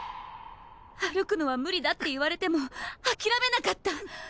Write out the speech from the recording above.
歩くのは無理だって言われても諦めなかった。